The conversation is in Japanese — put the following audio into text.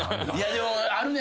でもあるね